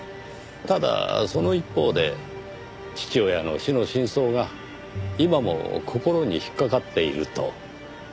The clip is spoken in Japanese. ただその一方で父親の死の真相が今も心に引っ掛かっていると。